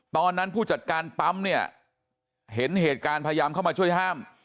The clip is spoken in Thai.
ผู้จัดการปั๊มเนี่ยเห็นเหตุการณ์พยายามเข้ามาช่วยห้าม